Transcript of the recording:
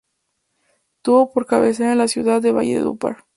Tuvo por cabecera a la ciudad de Valledupar.